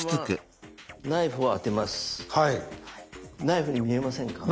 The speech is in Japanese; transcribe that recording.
ナイフに見えませんか？